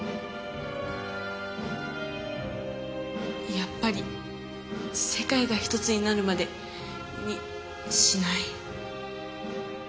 やっぱり「世界がひとつになるまで」にしない？